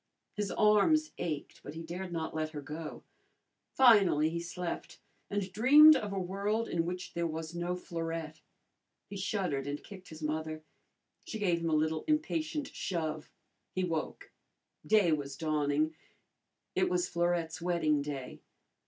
His arms ached, but he dared not let her go. Finally he slept, and dreamed of a world in which there was no Florette. He shuddered and kicked his mother. She gave him a little impatient shove. He woke. Day was dawning. It was Florette's wedding day.